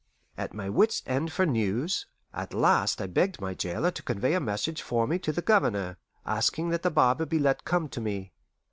At my wits' end for news, at last I begged my jailer to convey a message for me to the Governor, asking that the barber be let come to me.